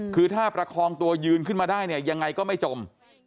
คือถ้าประคองตัวยืนขึ้นมาได้เนี่ยยังไงก็ไม่จม